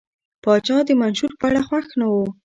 پاچا د منشور په اړه خوښ نه و.